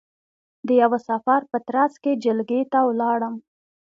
د یوه سفر په ترځ کې جلگې ته ولاړم،